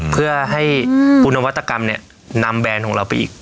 เพื่อให้คุณนวัตกรรมนำแบรนด์ของเราไปอีก